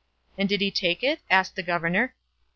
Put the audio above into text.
"And did he take it?" asked the governor.